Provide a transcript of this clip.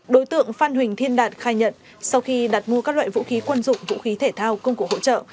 đối tượng phan huỳnh thiên đạt khai nhận sau khi đặt mua các loại vũ khí quân dụng vũ khí thể thao công cụ hỗ trợ